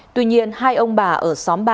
tuy nhiên hai ông bà ở xóm ba